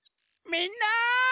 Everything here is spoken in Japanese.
みんな！